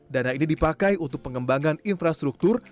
dana ini dipakai untuk pengembangan infrastruktur